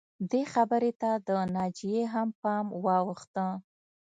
دې خبرې ته د ناجیې هم پام واوښته